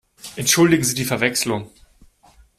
Entschuldigen Sie die Verwechslung!